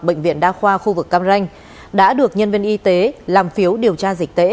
bệnh viện đa khoa khu vực cam ranh đã được nhân viên y tế làm phiếu điều tra dịch tễ